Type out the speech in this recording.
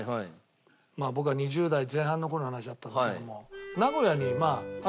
僕が２０代前半の頃の話だったんですけども。